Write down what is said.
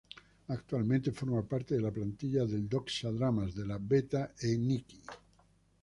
Actualmente forma parte de la plantilla del Doxa Dramas de la Beta Ethniki.